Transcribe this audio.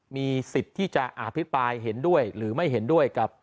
มีสิทธิ์ที่จะอภิปรายเห็นด้วยหรือไม่เห็นด้วยกับ